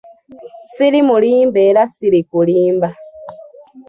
Siri mulimba era sirikulimba.